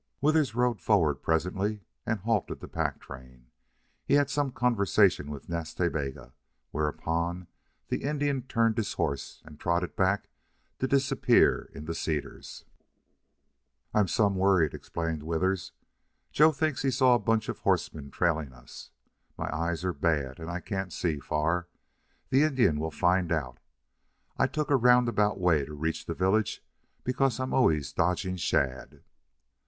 Withers rode forward presently and halted the pack train. He had some conversation with Nas Ta Bega, whereupon the Indian turned his horse and trotted back, to disappear in the cedars. "I'm some worried," explained Withers. "Joe thinks he saw a bunch of horsemen trailing us. My eyes are bad and I can't see far. The Indian will find out. I took a roundabout way to reach the village because I'm always dodging Shadd."